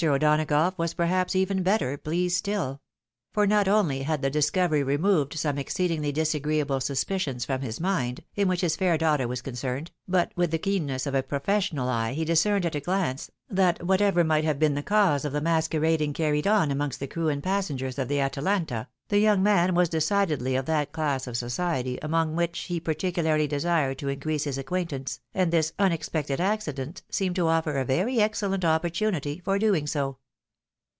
O'Dona gough was perhaps even better pleased stUl ; for not only had the discovery removed some exceedingly disagreeable suspicions from his mind, in which his fair daughter was concerned, but, with the keenness of a ■professional eye, he discerned at a glance, that whatever might have been the cause of the masquerading carried on amongst the crew and passengers of the Atalanta, the young man was decidedly of that class of society among which he particularly desired to increase his acquaintance, and this unexpected accident seemed to offer a very excellent oppor tunity for doing so.